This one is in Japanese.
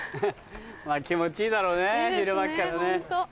気持ちいいだろうね昼間っからね。